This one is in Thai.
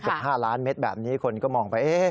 กว่า๕ล้านเม็ดแบบนี้คนก็มองไป